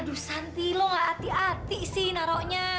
aduh santi lo gak hati hati sih naroknya